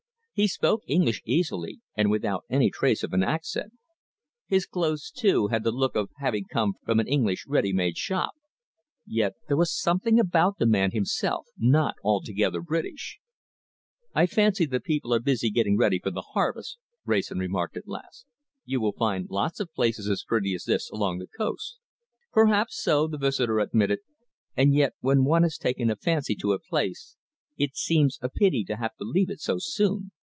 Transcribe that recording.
He spoke English easily, and without any trace of an accent. His clothes, too, had the look of having come from an English ready made shop. Yet there was something about the man himself not altogether British. "I fancy the people are busy getting ready for the harvest," Wrayson remarked at last. "You will find lots of places as pretty as this along the coast." "Perhaps so," the visitor admitted, "and yet when one has taken a fancy to a place, it seems a pity to have to leave it so soon.